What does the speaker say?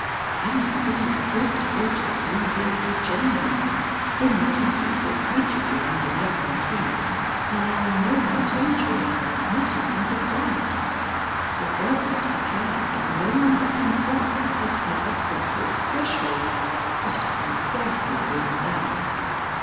And indeed it is a sort of Bluebeard's chamber, in that he keeps it rigidly under lock and key, allowing no one to enter it, not even his wife. The servants declare that no one but himself has ever crossed its threshold, but I can scarcely believe that.